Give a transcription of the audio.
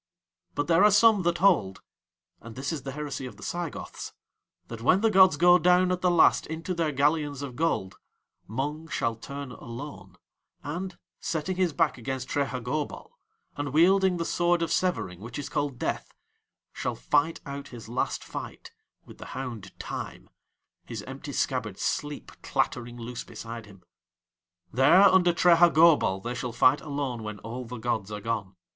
But there are some that hold and this is the heresy of the Saigoths that when the gods go down at the last into their galleons of gold Mung shall turn alone, and, setting his back against Trehagobol and wielding the Sword of Severing which is called Death, shall fight out his last fight with the hound Time, his empty scabbard Sleep clattering loose beside him. There under Trehagobol they shall fight alone when all the gods are gone.